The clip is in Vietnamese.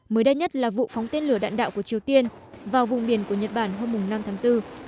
mới đây nhất là vụ phóng tên lửa đạn đạo của triều tiên vào vùng biển của nhật bản hôm năm tháng bốn